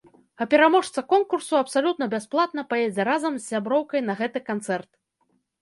А пераможца конкурсу абсалютна бясплатна паедзе разам з сяброўкай на гэты канцэрт!